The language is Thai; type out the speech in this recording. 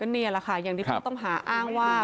นี่แหละค่ะอย่างที่ผู้ต้องหาอ้างว่า